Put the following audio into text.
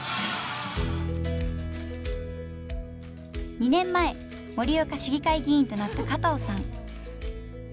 ２年前盛岡市議会議員となった加藤さん。